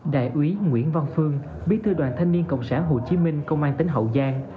đại úy nguyễn văn phương bí thư đoàn thanh niên cộng sản hồ chí minh công an tỉnh hậu giang